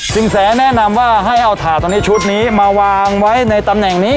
ศิลป์แสแนะนำให้เอาถาดในชุดนี้มาวางไว้ในตำแหน่งนี้